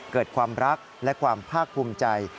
เกิดความรักและความภาคภูมิใจ